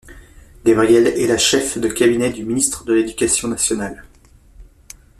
Gabrielle est la chef de cabinet du ministre de l'Éducation nationale.